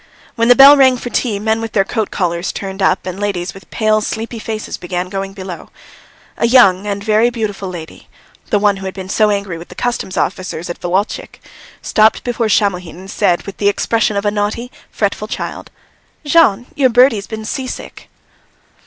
When the bell rang for tea, men with their coat collars turned up and ladies with pale, sleepy faces began going below; a young and very beautiful lady, the one who had been so angry with the Customs officers at Volotchisk, stopped before Shamohin and said with the expression of a naughty, fretful child: "Jean, your birdie's been sea sick."